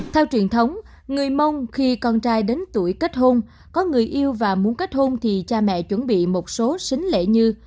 theo truyền thống người mông khi con trai đến tuổi kết hôn có người yêu và muốn kết hôn thì cha mẹ chuẩn bị một số xính lễ như